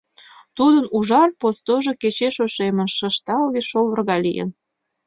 Тудын ужар постожо кечеш ошемын — шышталге шовыр гай лийын.